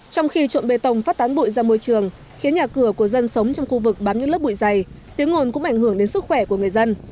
trong khi trộn bê tông phát tán bụi ra môi trường khiến nhà cửa của dân sống trong khu vực bám những lớp bụi dày tiếng ngồn cũng ảnh hưởng đến sức khỏe của người dân